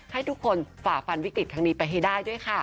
ให้ทุกคนฝ่าฟันวิกฤตครั้งนี้ไปให้ได้ด้วยค่ะ